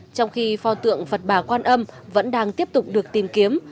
trong khi pho tượng phật bà quan âm vẫn đang tiếp tục được tìm kiếm